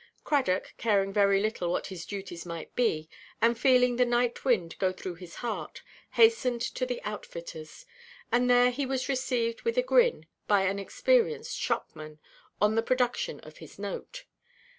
Cradock, caring very little what his duties might be, and feeling the night–wind go through his heart, hastened to the outfittersʼ, and there he was received with a grin by an experienced shopman, on the production of his note.